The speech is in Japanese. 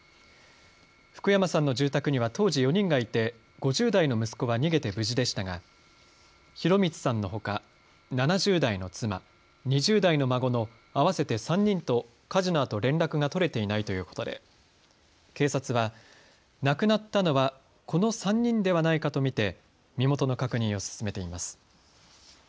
福山さんの住宅には当時、４人がいて５０代の息子は逃げて無事でしたが博允さんのほか７０代の妻、２０代の孫の合わせて３人と火事のあと連絡が取れていないということで警察は亡くなったのはこの３人ではないかと見て身元の確認を進めています。